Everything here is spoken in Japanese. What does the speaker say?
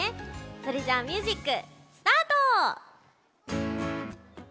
それじゃあミュージックスタート！